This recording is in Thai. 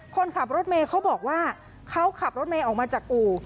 คนขับรถเมย์เขาบอกว่าเขาขับรถเมย์ออกมาจากอู่